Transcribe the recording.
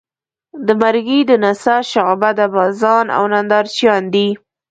د مرګي د نڅا شعبده بازان او نندارچیان دي.